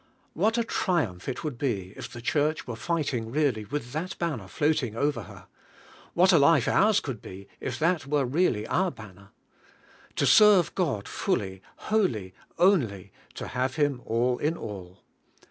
What a trium'ph it would be if the Church were fighting really with that banner floating over her! What a life ours could be if that were really our banner! To serve God fully, wholl}?', only, to have Him all in all!